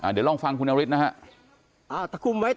เดี๋ยวลองฟังคุณนฤทธิ์นะฮะ